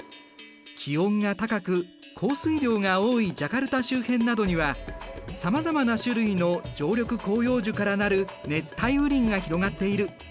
気温が高く降水量が多いジャカルタ周辺などにはさまざまな種類の常緑広葉樹から成る熱帯雨林が広がっている。